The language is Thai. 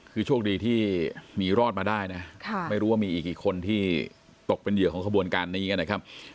คือโชคดีที่มีรอดมาได้นะไม่รู้ว่ามีอีกกี่คนที่ตกเป็นเหยื่อของขบวนการนี้นะครับ